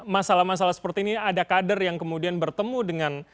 masalah masalah seperti ini ada kader yang kemudian bertemu dengan